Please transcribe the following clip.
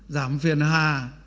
giảm phiền hà